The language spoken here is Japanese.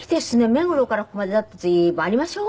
目黒からここまでだって随分ありましょう？